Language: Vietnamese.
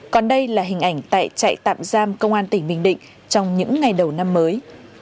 còn đây là hình ảnh tại trại tạm giam công an tỉnh bình định trong những ngày đầu năm mới